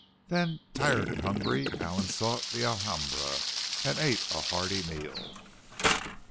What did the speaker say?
Then, tired and hungry, Allen sought the Alhambra and ate a hearty meal.